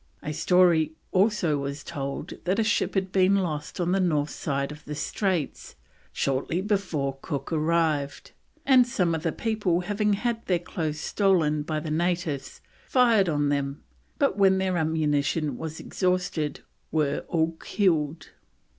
A story also was told that a ship had been lost on the north side of the straits shortly before Cook arrived, and some of the people having had their clothes stolen by the natives, fired on them, but when their ammunition was exhausted were all killed.